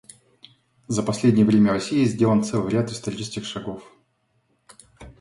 За последнее время Россией сделан целый ряд исторических шагов.